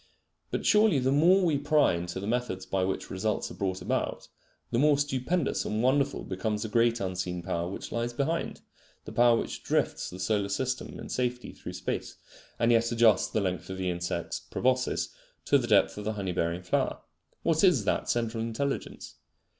But surely the more we pry into the methods by which results are brougt about, the more stupendous and wonderful becomes the great unseen power which lies behind, the power which drifts the solar system in safety through space, and yet adjusts the length of the insects proboscis to the depth of the honey bearing flower. What is that central intelligence?